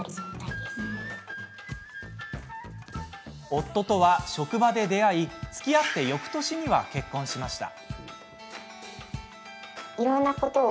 夫とは職場で出会いつきあってよくとしには結婚しました。